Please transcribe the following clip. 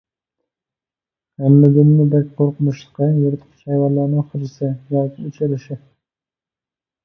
ھەممىدىنمۇ بەك قورقۇنچلۇقى يىرتقۇچ ھايۋانلارنىڭ خىرىسى ياكى ئۆچ ئېلىشى.